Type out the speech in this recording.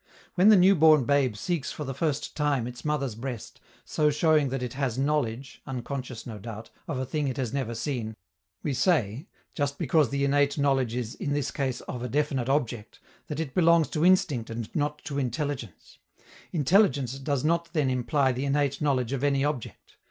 When the new born babe seeks for the first time its mother's breast, so showing that it has knowledge (unconscious, no doubt) of a thing it has never seen, we say, just because the innate knowledge is in this case of a definite object, that it belongs to instinct and not to intelligence. Intelligence does not then imply the innate knowledge of any object.